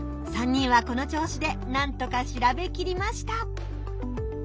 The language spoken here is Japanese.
３人はこの調子でなんとか調べきりました。